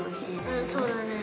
うんそうだね。